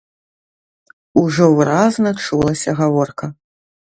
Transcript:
Ужо выразна чулася гаворка.